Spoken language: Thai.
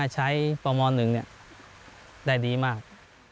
ใช้ปมหนึ่งได้ดีมาก